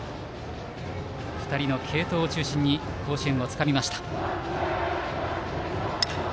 ２人の継投中心に甲子園をつかみました。